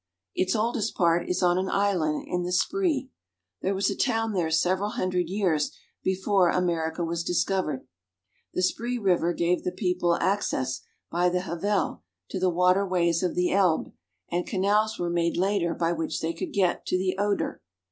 Its oldest part is on an island in the Spree. There was a town there several hundred years before America was discovered. The Spree River gave the people access by the Havel to the water ways of the Elbe, and canals were made later by which they could get to the Oder.